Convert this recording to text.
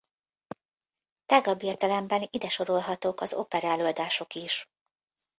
Tágabb értelemben ide sorolhatók az operaelőadások is.